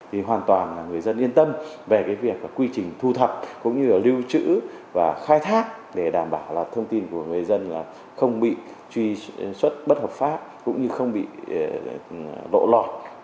thì hoàn toàn là người dân yên tâm về cái việc quy trình thu thập cũng như là lưu trữ và khai thác để đảm bảo là thông tin của người dân là không bị truy xuất bất hợp pháp cũng như không bị lộ lọt